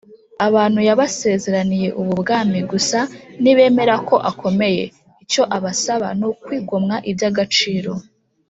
. Abantu yabasezeraniye ubu bwami gusa nibemera ko akomeye. Icyo abasaba n’ukwigomwa iby’agaciro